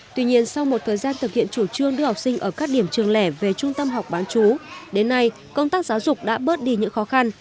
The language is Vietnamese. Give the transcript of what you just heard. tuy nhiên sau một thời gian thực hiện chủ trương đưa học sinh ở các điểm trường lẻ về trung tâm học bán chú đến nay công tác giáo dục đã bớt đi những khó khăn